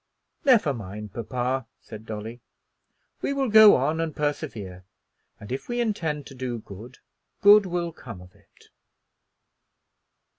"Never mind, papa," said Dolly, "we will go on and persevere, and if we intend to do good, good will come of it."